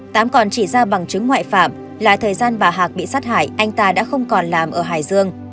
tám còn chỉ ra bằng chứng ngoại phạm là thời gian bà hạc bị sát hại anh ta đã không còn làm ở hải dương